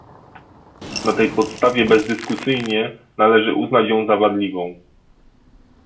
Na tej podstawie bezdyskusyjnie należy uznać ją za wadliwą